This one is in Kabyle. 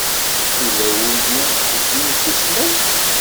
Yella wudi deg yemsismeḍ?